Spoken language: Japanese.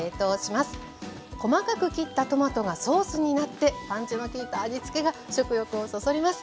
細かく切ったトマトがソースになってパンチのきいた味つけが食欲をそそります。